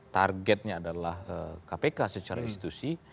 targetnya adalah kpk secara institusi